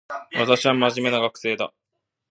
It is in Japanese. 私は真面目な学生だ